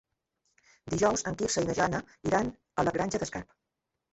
Dijous en Quirze i na Jana iran a la Granja d'Escarp.